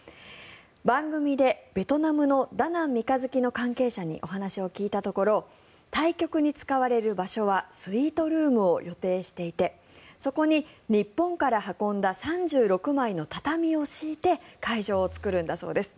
番組でベトナムのダナン三日月の関係者にお話を聞いたところ対極に使われる場所はスイートルームを予定していてそこに日本から運んだ３６枚の畳を敷いて会場を作るんだそうです。